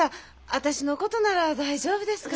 私のことなら大丈夫ですから。